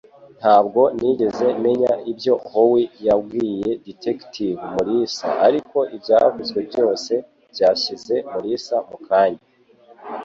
Ntabwo nigeze menya ibyo Howie yabwiye Detective Mulisa ariko ibyavuzwe byose, byashyize Mulisa mukanya.